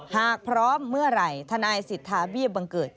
หากพร้อมเมื่อไหร่ทนายสิทธาเบี้ยบังเกิด